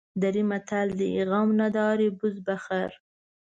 دري متل دی: غم نداری بز بخر.